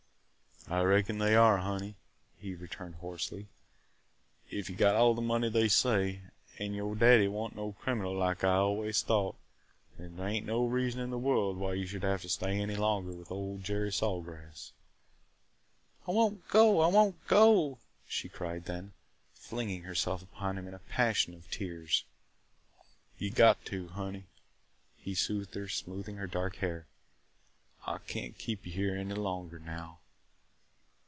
"I reckon they are, honey!" he returned hoarsely. "If you got all the money they say – an' your daddy wa' n't no criminal like I always thought, then there ain't no reason in the world why you should have to stay any longer with old Jerry Saw Grass." "I won't go! I won't go!" she cried then, flinging herself upon him in a passion of tears. "You got to, honey!" he soothed her, smoothing her dark hair. "I can't keep you here any longer now."